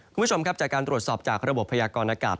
คุณผู้ชมครับจากการตรวจสอบจากระบบพยากรณากาศ